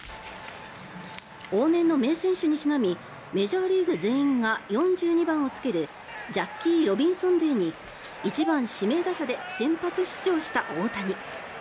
往年の名選手にちなみメジャーリーグ全員が４２番をつけるジャッキー・ロビンソン・デーに１番指名打者で先発出場した大谷。